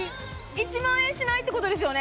１万円しないってことですよね？